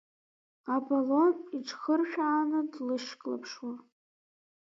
Аполон иҽхыршәааны длышьклаԥшуа.